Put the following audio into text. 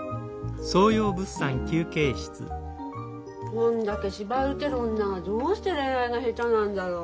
そんだけ芝居打てる女がどうして恋愛が下手なんだろう。